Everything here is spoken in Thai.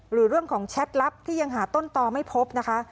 หรือเรื่องของแชทลับที่ยังหาต้นตอไม่พบนะคะ